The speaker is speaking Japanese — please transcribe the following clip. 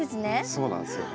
そうなんですよ。